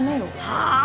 はあ！？